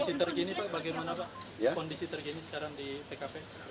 kondisi tergini bagaimana pak kondisi tergini sekarang di pkp